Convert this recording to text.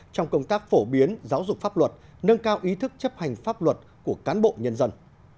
trong công tác phổ biến giáo dục pháp luật nâng cao ý thức chấp hành pháp luật của cán bộ nhân dân